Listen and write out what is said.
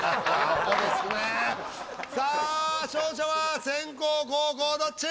さあ勝者は先攻・後攻どっち？